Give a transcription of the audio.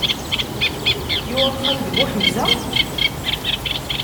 Yuɣ axxam deg Buḥemza?